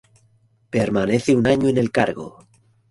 Permanece un año en el cargo.